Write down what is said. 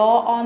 và kỹ năng